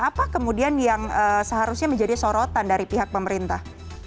apa kemudian yang seharusnya menjadi sorotan dari pihak pemerintah